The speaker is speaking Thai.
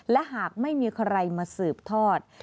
และหากไม่มีใครมาสืบทอด